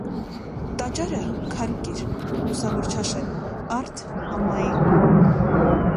Տաճարը՝ քարուկիր, լուսաւորչաշէն, արդ՝ ամայի։